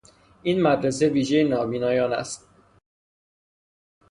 این مدرسه ویژهی نابینایان است.